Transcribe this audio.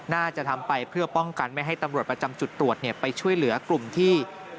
น่าจะทำไปเพื่อป้องกันไม่ให้ตำรวจประจำจุดตรวจไปช่วยเหลือกลุ่มที่